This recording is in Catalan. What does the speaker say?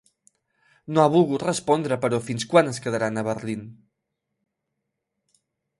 No ha volgut respondre, però, fins quan es quedaran a Berlin.